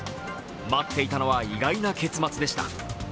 待っていたのは意外な結末でした。